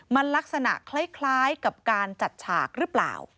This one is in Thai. มันลักษณะคล้ายกับการจัดฉากหรือเปล่า